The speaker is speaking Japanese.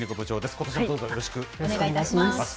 ことしもどうぞよろしくお願いします。